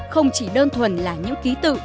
không chỉ đơn thuần là những ký tự